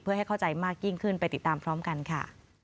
เพื่อให้เข้าใจมากยิ่งขึ้นไปติดตามพร้อมกันค่ะ